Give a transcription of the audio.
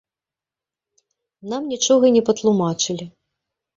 Нам нічога не патлумачылі.